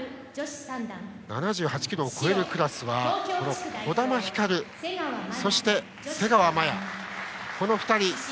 ７８ｋｇを超えるクラスは児玉ひかる、瀬川麻優の２人。